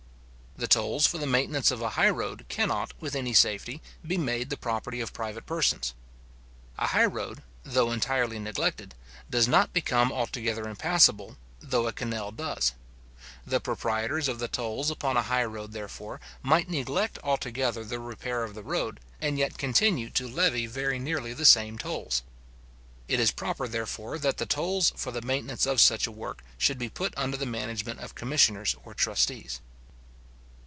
The tolls for the maintenance of a highroad cannot, with any safety, be made the property of private persons. A high road, though entirely neglected, does not become altogether impassable, though a canal does. The proprietors of the tolls upon a high road, therefore, might neglect altogether the repair of the road, and yet continue to levy very nearly the same tolls. It is proper, therefore, that the tolls for the maintenance of such a work should be put under the management of commissioners or trustees.